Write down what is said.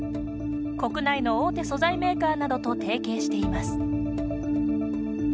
国内の大手素材メーカーなどと提携しています。